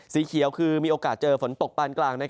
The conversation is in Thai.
สีเขียวคือมีโอกาสเจอฝนตกปานกลาง